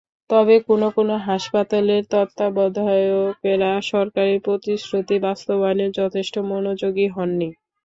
তবে কোনো কোনো হাসপাতালের তত্ত্বাবধায়কেরা সরকারের প্রতিশ্রুতি বাস্তবায়নে যথেষ্ট মনোযোগী হননি।